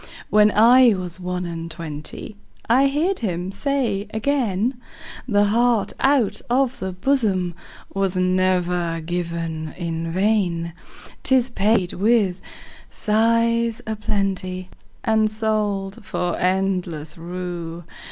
When I was one and twentyI heard him say again,'The heart out of the bosomWas never given in vain;'Tis paid with sighs a plentyAnd sold for endless rue.